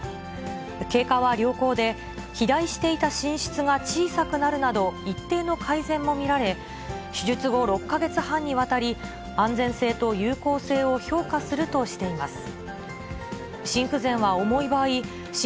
経過は良好で、肥大していた心室が小さくなるなど、一定の改善も見られ、手術後６か月半にわたり、安全性と有効性を評価するとしています。